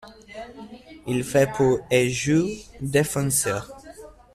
Il fait pour et joue défenseur.